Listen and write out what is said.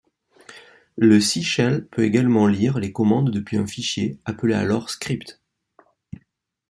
Le C shell peut également lire les commandes depuis un fichier, appelé alors script.